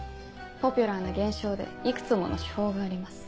ポピュラーな現象でいくつもの手法があります。